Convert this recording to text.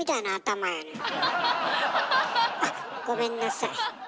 あっごめんなさい。